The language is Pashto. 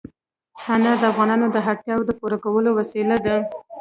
انار د افغانانو د اړتیاوو د پوره کولو وسیله ده.